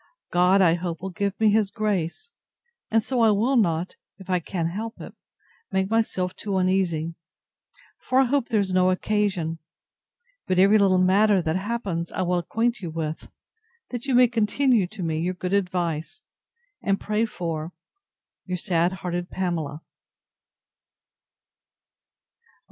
God, I hope, will give me his grace: and so I will not, if I can help it, make myself too uneasy; for I hope there is no occasion. But every little matter that happens, I will acquaint you with, that you may continue to me your good advice, and pray for Your sad hearted PAMELA.